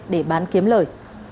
để bán kiếm lời